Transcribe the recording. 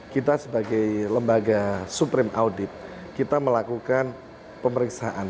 kita sebagai lembaga supreme audit kita melakukan pemeriksaan